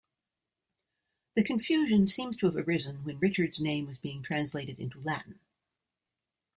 The confusion seems to have arisen when Richard's name was being translated into Latin.